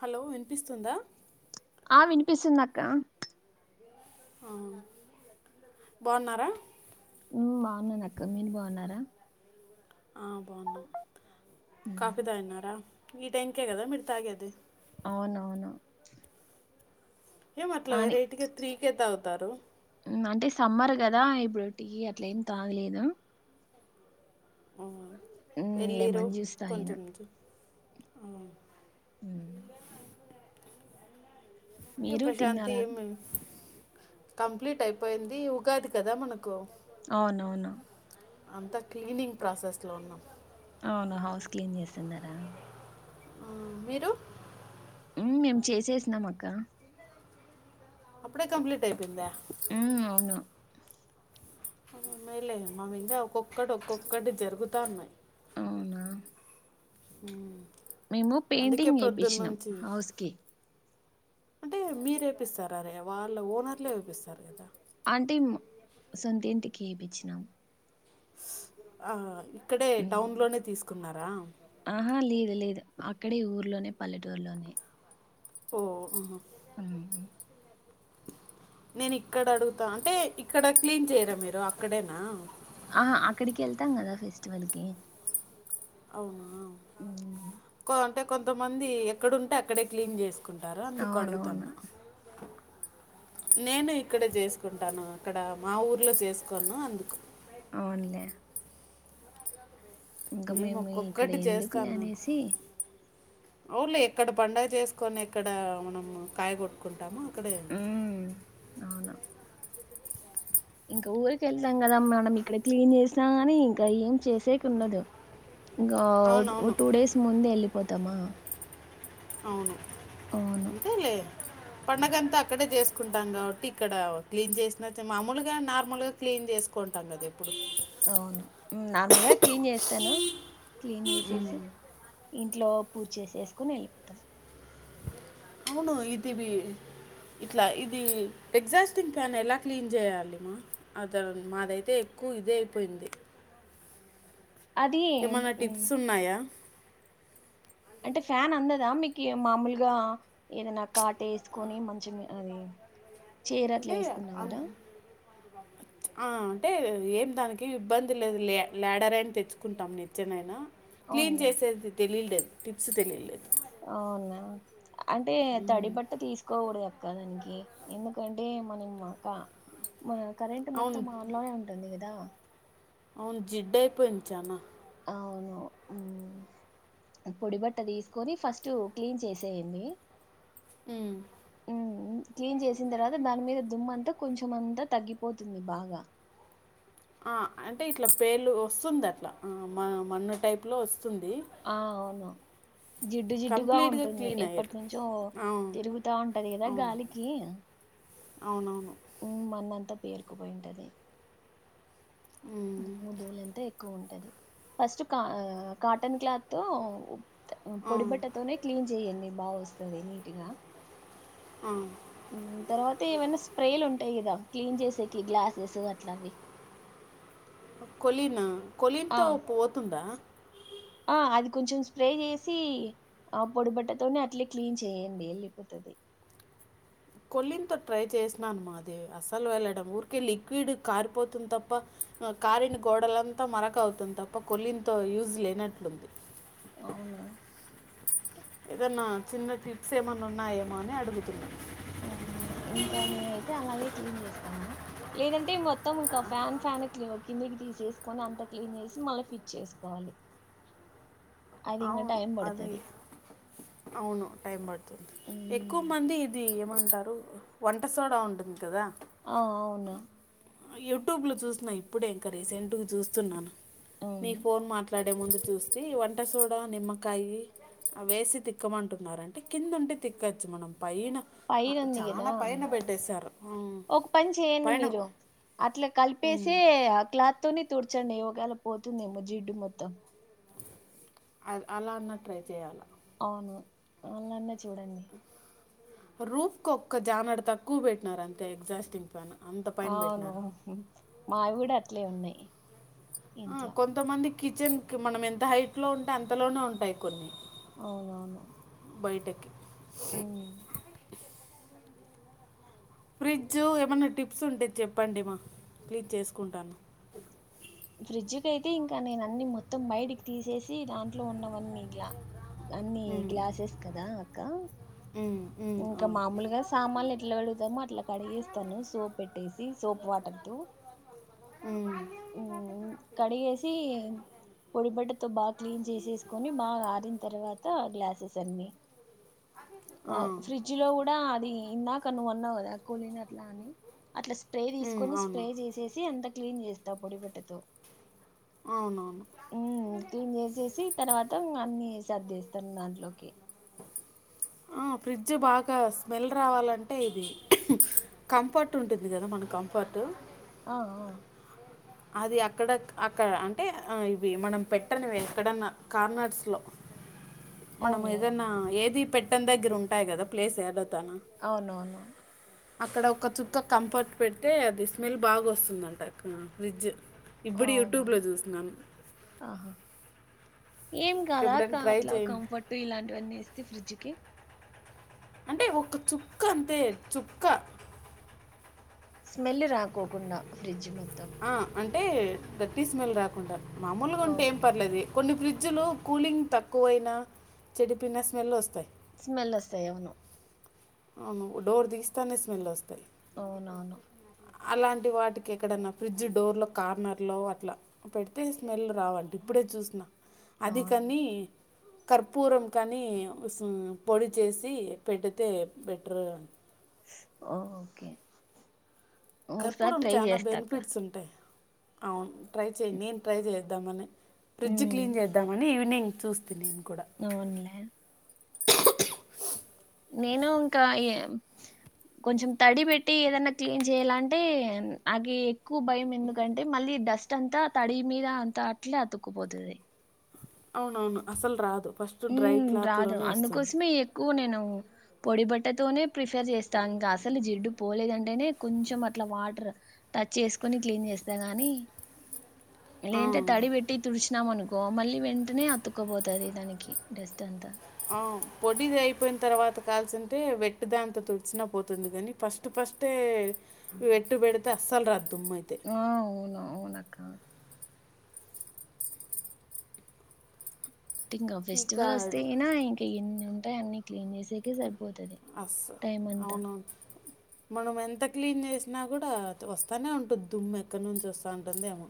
Hello వినిపిస్తుందా ఆ వినిపిస్సుంది అక్క హా బాగున్నరా మ్మ్ బాగున్నాను అక్క మీరు బాగున్నారా ఆ బాగున్నాం ఉమ్, కాఫీ తాగిన్నార ఈ టైం కే కదా మీరు తాగేది అవును అవును ఏం అట్లా వేరైటి గా త్రీ కే తాగుతారు ఉమ్, అంటే సమ్మర్ కదా ఇప్పుడు టి అట్ల ఏం తాగలేను ఆ ఉమ్ వెళ్ళురు లెమన్ జ్యూస్ తాగిన కొంచెం అ ఉమ్, ఏ మీరు ప్రశాంతి తిన్నారా ఏ మే కంప్లీట్ అయిపోయింది ఉగాది కదా మనకు అవునవును అంతా క్లీనింగ్ ప్రాసెస్ లో ఉన్నాం అవునా హౌస్ క్లీన్ చేస్తున్నారా ఆమ్ మీరు ఉమ్ మేము చేసేసినాం అక్క అప్పుడే కంప్లీట్ అయి పింద ఉమ్ అవును అమ్మాయిలేమ్మ మా ఇంట్లో ఒక్కొక్కటి ఒక్కొక్కటి జరుగుతా ఉన్నాయి అవునా ఉమ్ మేము పెయింటింగ్ వేపిచిన్నాం హౌస్ కి అంటే మీరేపిస్తారరే వాళ్ళ ఓనర్లే ఏపిస్తారు కదా ఆంటే సొంతింటికి ఏపిచ్చినాం ఇక్కడే టౌన్లోనే తీసుకున్నారా ఆహా లేదు లేదు అ క్కడే ఊర్లోనే పల్లెటూరులోనే ఓ ఉహుమ్ ఉమ్ నేను ఇక్కడ అడుగుతా అంటే ఇక్కడ క్లీన్ చేయరా మీరు అక్కడేనా ఆహా అక్కడికెళ్తాం కదా ఫెస్టివల్ కి అవును ఆ కొంటే కొంతమంది ఎక్కడ ఉంటే అక్కడే క్లీన్ చేస్తా కుంటారా అవునవును అందుకడుగుతన్నా నేను ఇక్కడే చేసుకుంటాను అక్కడ మా ఊర్లో చేసుకోను అందుకు అవునులే ఇంకా మేము ఇక్కడ ఎందుకులే అనేసి అవున్లే ఎక్కడ పండగ చేసుకొని ఎక్కడ మనం కాయ కొట్టుకుంటాము అక్కడే మ్ అవును ఇంకా ఊరికేళ్తాం కదా మనం ఇక్కడ క్లీన్ చేసినా గాని ఇంకా ఏం చేసేకుండదు ఇంగ ఓ అవునవును టూ డేస్ ముందెలీ పోతామా అవును అంతే లే పండగంతా అక్కడే చేస్ కుంటాం కాబట్టి ఇక్కడ క్లీన్ చేసిన మామూలుగా నార్మల్ గా క్లీన్ చేసుకుంటాం కదె అవును నార్మల్గా క్లీన్ చేస్తాను క్లీన్ చేసేసి ఇంట్లో పూజ చేసేసుకోని ఎళ్ళిపోతాం అవును ఇది ఇట్లా ఇది ఎగ్జాస్టింగ్ ఫ్యాన్ ఎలా క్లీన్ చేయాలిమ్మా అద మాదైతే ఎక్కువ ఇదే అయిపోయింది అది మ్మ్ ఏమైనా హ్మ్ టిప్స్ ఉన్నాయా అంటే ఫ్యాన్ అందదా మీకీ మామూలుగా ఏదైనా కాటేసుకొని మంచం అది చీర అట్లా అంటే వేసుకున్నా అన్ కూడా ఆ అంటే ఏం దానికి ఇబ్బంది లేదు లే లాడర్ ఐన తెచ్చుకుంటాం నిచ్చనైనా క్లీన్ అవునులే చేసేది తెలిలేదు టిప్స్ తెలిలేదు అవునా అంటే తడి బట్ట తీసుకోకూడదు ఎప్ కాదానికి ఎందుకంటే మనంక్క మన కరెంట్ అవును మొత్తం ఆన్ లోనే ఉంటుంది ద్ద అవును జిడ్ అయిపోయింది చానా అవును పొడి బట్ట తీసుకొని ఫస్ట్ క్లీన్ చేసేయండి హ్మ్. ఉమ్, క్లీన్ చేసిన తర్వాత దాని మీద దుమ్ అంతా కొంచెం అంతా తగ్గిపోతుంది బాగా ఆ అంటే ఇట్లా పేలు వస్తుంది అట్లా మ మన్న టైప్ లో వస్ ఆ అవును జిడ్డు జిడ్డుగా కంప్లీట్‌గా ఉంటుంది క్లీన్ ఎప్పటి అయ్యేటి. నుంచో అవును. తిరుగుతా ఉంటది కదా అవును. గాలికి అవునవును. మ్మ్ మన్నంత పేర్కపోయింటది హ్మ్. దుమ్ము దూల్ అంతా ఎక్ ఎక్కువ ఉంటది ఫస్ట్ కా కాటన్ క్లాత్ తో ఆ! పొడిపెట్టతోవనే క్లీీన్ చెయ్యండి బాగా వస్తది నీటుగా ఆ! తర్వాత ఏమైనా స్ప్రేలు ఉంటాయి కదా క్లీన్ చేసేకి గ్లాసెస్ అట్లవి కొలీన్ కొలిన్ ఆ తో పోతుందా ఆ అది కొంచెం స్ప్రే చేసి ఆ పొడి బట్టతోనే అట్లే క్లీన్ చేయండి వెళ్ళిపోతది కొలీతో ట్రై చేసినాను మాది అస్సలు వెళ్ళడం ఊరికే లిక్విడ్ కారిపోతుంది తప్ప కారిన గోడలంతా మరక అవుతుంది తప్ప కొలింత యూజ్ లేనట్లుంది అవునా ఏదన్నా చిన్న టిప్స్ ఏమైన్నా ఉన్నాయేమో అని అడుగుతున్నా ఇంకా నేనైతే అలాగే క్లీన్ చేస్తాను లేదంటే మొత్తం ఇంకా ఫ్యాన్ ఫ్యాన్ క్ కిందికి తీసేసుకొని అంత క్లీన్ చేసి మళ్ళీ ఫిట్ చేసుకోవాలి అది ఇంకా అవును టైం అది పడుతది అవును టైం పడుతుంది ఎక్కువ ఉమ్. మంది ఇది ఎప్ అమ్మంటారు వంట సోడ ఉంటుంది కదా ఆ అవున యూట్యూబ్ లో చూస్తున్నా ఇప్పుడే ఇంకా రీసెంట్ చూస్తున్నాను నీ ఉమ్ ఫోన్ మాట్లాడి ముందు చూస్తి వం ట సోడా నిమ్మకాయి అవేసి తిక్కమంటున్నారంటే కింద ఉంటే తిక్కచ్చు మనం పైన ఆ, పైన ఉంది కదా చాలా పైన పెట్టేశారు ఉమ్. ఒక పని చేయండి పైన మీరు అట్లా ఉమ్, కలిపేసే ఆ క్లాత్ తోని తూడ్చండి ఒకేలా పోతుందేమో జిడ్డు మొత్తం అద్ అలా అన్న ట్రై చేయాల అవును అళన్న చూడండి రూఫ్ కు ఒక్క జానడు తక్కువ పెట్టినారు అంతే ఎగ్జాస్టింగ్ ఫ్యాన్ అంత పైన అవును పెట్టినారు మావి కూడా అట్లే ఉన్నాయి ఆ ఇంట్లో కొంతమంది కిచెన్కి మనం ఎంత హైట్లో ఉంటే అంతలోనే ఉంటాయి కొన్ని అవునవును బయటకి ఉం ఫ్రిడ్జ్ ఏమైనా టిప్స్ ఉంటే చెప్పండిమ ప్లీజ్ చేసుకుంటాను ఫ్రిడ్జ్ కైయితే ఇంకా నేను అన్ని మొత్తం బయటికి తీసేసి దాంట్లో ఉన్నవన్నీ ఇలా అన్ని ఉమ్, గ్లాసెస్ కదా అక్క ఉమ్, ఉమ్, ఇంకా అవును మాముూలుగా సామాన్లు ఎట్లా కడుగుతామొ అట్లా క డిగేస్తాను సోప్ పెట్టేసి సోప్ వాటర్ తో ఉమ్, ఉం కడిగేసి పొడి బట్టతో బాగా క్లీన్ చేసేసుకొని బాగా ఆరిన తర్వా త గ్లాసెస్ అన్ని [inaudible] ఫ్రిడ్జ్ కోలీన అట్లా అని అట్లా స్ప్రే ఉమ్, తీసుకొని అవును స్ప్రే చేసేసి అంత క్లీన్ చేస్తా పొడి బట్టతో అవునవును ఉమ్ క్లీన్ చేసేసి తర్వాత ఇంగ అన్ని సర్దఎచేస్తాను దాంట్లోకి అ ఫ్రిడ్జ్ బాగా స్మెల్ రావాలంటే ఇది కంఫర్ట్ ఉంటుంది కదా మన కంఫర్ట్ ఆ అ అది అక్కడ అక్కడ అంటే ఇవి మనం పెట్టని ఎక్కడన్నా కార్నర్స్లో మనం అవునులే ఏదన్నా ఏది పెట్టనిదగ్గర ఉంటాయి గదా ప్లేస్ ఏడ అవునవును అక్కడ ఒక చుక్క కంఫర్ట్ పెడ్తే అది స్మెల్ బాగా వస్తుందంట అక్క ఫ్రిడ్జ్ ఇప్పుడు అవునా యూట్యూబ్లో చూస్తున్నాను. ఆహా ఏం కాదా అక్క అట్లా కంఫర్ట్ ఇలాంటివన్నీ ఏస్తే ఫ్రిడ్జ్కి అంటే ఒక చుక్క అంతే చుక్క స్మెల్ రాకోకుండా ఫ్రిడ్జ్ మధ్ ఆ అం అంటే డర్టీ స్మెల్ రాకుండా మామూల్గా ఉంటే ఏం ఓకే పర్లేదు కొన్ని ప్రీ జులు కూలింగ్ తక్కువైనా చెడిపోన స్మెల్ వస్తాయి. స్మెల్ వస్తాయి అవును అవును డోర్ తీస్తానే స్మెల్ వస్ అవునవును. అలాంటి వాటికి ఎక్కడన్నా ఫ్రిడ్జ్ డోర్లో కార్నర్లో అట్లా పెడితే స్మెల్ రావండి ఇప్పుడే చూసిన అది అవునులే కని కర్పూరం కానీ పొడి చేసి పెడ్తే బెటరూ ఓకే ఒకసారి కర్పూరం ట్రై చానా చేస్తాక్క బెనిఫిట్స్ ఉంటాయి. అవును ట్రై చేయి నేను ట్రై చేద్దామనే ఫ్రిడ్జ్ క్లీన్ చేద్దామని ఈవినింగ్ చూస్తి లేను అవున్లే నేను ఇంకా కొంచెం తడి పెట్టి ఏదన్నా క్లీన్ చేయాలంటే అది ఎక్కువ భయం ఎందుకంటే మళ్ళీ డస్ట్ అంతా తడి మీద అంతా అట్లే అతుక్కుపోతది. అవునవును అసల్ రాదు ఫస్ట్ డ్రై ఉమ్ రాదు క్లాత్లోనే వస్తుంది అందుకోసమే ఎక్కువ నేను పొడి బట్టతోనే ప్రిఫర్ చేస్తా ఇంకా అసలు జిడ్డు పోలేదంటేనే కొంచెం అట్ల వాటర్ టచ్ చేసుకుని క్లీన్ చేస్తా గాని లే అంటే ఆ, తడి పెట్టి తుడిచినమను గో మళ్ళీ వెంటనే అతుక్కపోతది దానికి డస్ట్ అంతా ఆ పొడిది అయిపోయిన తర్వాత కాల్సింటే వెట్ దాంతో తుడిచినా పోతుంది కానీ ఫస్ట్ ఫస్టే వెట్టు పెడితే అస్సలు రాద్ ఆ అవును అవునక్క ఇంకా ఇక ఫెస్టివల్ వస్తేనా ఇంకా ఎన్ని ఉంటాయి అన్ని క్లీన్ చేసేకే సరి అస్ అవునను మనం ఎంత క్లీన్ చేసి నా కూడా వస్తనే ఉంటది దుమ్ము ఎక్కడి నుంచి వస్త ఉంటుందేమో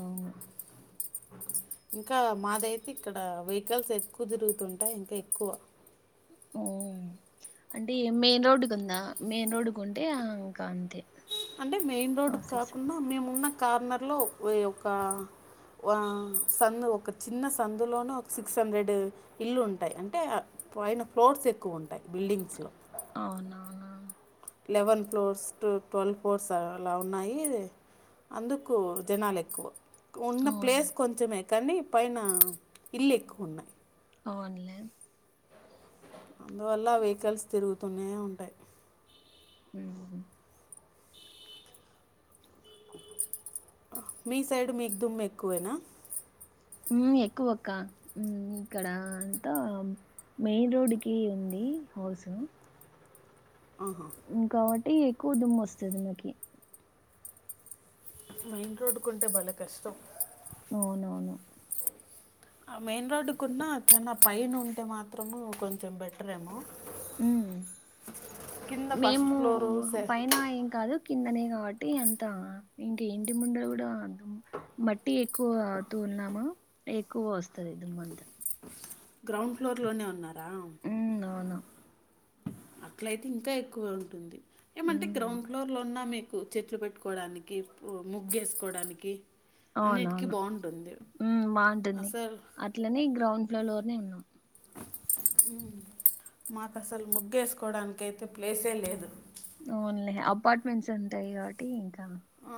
అవును ఇంకా మాదైతే ఇక్కడ వెహికల్స్ ఎక్కువ తిరుగుతుంటాయి ఇంకా ఎక్కువ ఉమ్ అంటే మెయిన్ రోడ్డుకి ఉందా, మెయిన్ రోడ్డుకు ఉంటే ఆ ఇంకా అంతే. అంటే మెయిన్ రోడ్ ప్రాసెస్ కాకుండా మేమున్న కార్నర్లో వెయి ఒక్కా వా సందు ఒక చిన్న సందులోన ఒక సిక్స్ హండ్రెడ ఇల్లు ఉంటాయి. అంటే, పైన ఫ్లోర్స్ ఎక్కువ ఉంటాయి బిల్డింగ్స్లో. అవునవునవును eleven floors to twelve floors అలా ఉన్నాయీ, అందుకూ జనాలు ఎక్కువ. ఉన్న అవును ప్లేస్ కొంచమే. కానీ పైనా ఇల్లు ఎక్కువున్నాయి. అవున్లే అందువల్ల వెహికల్స్ తిరుగుతూనే ఉంటాయ్. ఊహు మీ సైడ్ మీకు ధుమ్ము ఎక్కువేనా. ఉమ్ ఎక్కువక్కా ఉమ్ ఇక్కడా అంతా మెయిన్ రోడ్ కీ ఉందీ హౌసు. ఆహా ఈ ఎక్కువ దుమ్ము వస్తది మాకీ. మెయిన్ రోడ్కుంటే బలే కష్టం. అవునవును. మెయిన్ రోడ్డుకున్నా చిన్న పైన ఉంటే మాత్రమూ కొంచెం బెటరేమో ఉమ్ కింద ఫస్ట్ మేమూ ఫ్లోర్ పైనా ఏం కాదు. కిందనే కాబట్టీ అంతా, ఇంటి ఇంటి ముందర కూడా దుమ్ మట్టి ఎక్కువా తోలినామా, ఎక్కువగా వస్తది దుమ్మ అంతా. గ్రౌండ్ ఫ్లోర్ లోనే ఉన్నార్ రా ఉమ్ అవును అట్లయితే ఇంకా ఎక్కువ ఉంటుంది. ఏమంటే ఉమ్ గ్రౌండ్ ఫ్లోర్లో ఉన్నా మీకు చెట్లు పెట్టుకోవడానికి, ముగ్గేసుకోవడానికీ అవునవును. ఉమ్ బాగుంటుంది. అసలు అట్లనే గ్రౌండ్ ఫ్లోర్ లోనే ఉన్నాం. ఉమ్ మాకు అసలు ముగ్గేసుకోవడానికి అయితే ప్లేసే లేదు. ఓన్లీ అపార్ట్మెంట్స్ ఉంటాయి కాబట్టి ఇంకా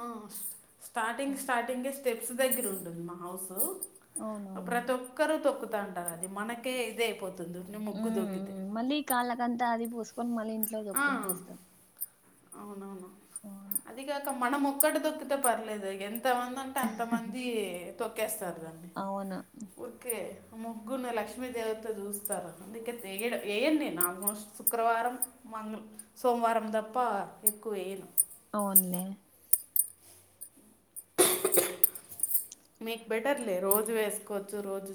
ఆస్ స్టార్టింగ్ అవును స్టార్టింగే స్టెప్స్ దగ్గర ఉంటుంది మా హౌసూ. అ అవునవును ప్రతి ఒక్కరూ తొక్కు తాంటారు అది మనకే ఇదై పొతు ఊఊ మళ్ళీ కాలకంతా అది పూస్ కొన్ మల్ ఆ అవునవును. అవును అదిగాక మనము ఒక్కటి తొక్కితే పర్లేదే ఎం తమంది అంటే ఎంతమందీ తొక్కేస్తారు. అవును ఊర్కే ముగ్గుని లక్ష్మీదేవితో చూస్తారు. అందుకే థెయిడ్ యెయ్యను నేను ఆల్మోస్ట్ శుక్రవారం మందులు సోమవారం తప్ప ఎక్కువ వేయను అవునులే మీకు బెటర్లే రోజు వేసుకోవచ్చు రోజు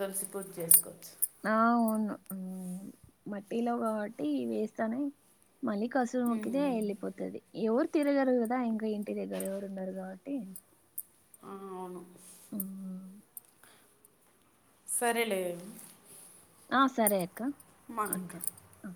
తులసి పూజ చేసుకోవచ్చు. ఆ అవును హ్ మట్టిలో కాబట్టి ఇవి వేస్తానే మల్లి హసురు మొక్కితే వెళ్ళిపోతాది. ఎవరు తిరగరు గాదా ఇంకా ఇంటి దగ్గర ఎవరు ఉండరు. కాబట్టి ఆ, అవును ఉమ్, సరేలే ఆ సరే అయి క్క మనకు ఉంటా ఆ